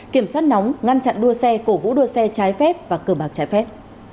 kiểm soát nóng ngăn chặn đua xe cổ vũ đua xe trái phép và cờ bạc trái phép